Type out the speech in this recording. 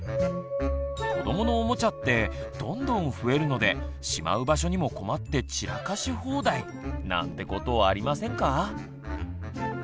子どものおもちゃってどんどん増えるのでしまう場所にも困って散らかし放題。なんてことありませんか？